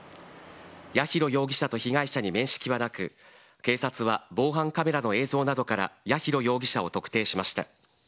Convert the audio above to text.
八尋容疑者と被害者に面識はなく、警察は防犯カメラの映像などから、八尋容疑者を特定しました。